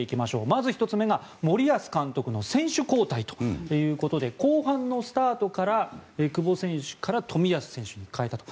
まず１つ目が森保監督の選手交代ということで後半のスタートから久保選手から冨安選手に代わると。